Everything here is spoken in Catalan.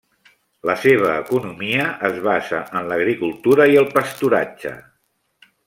La seva economia es basa en l'agricultura i el pasturatge.